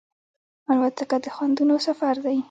الوتکه د خوندونو سفر دی.